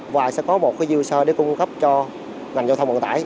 và sẽ có một user để cung cấp cho ngành giao thông vận tải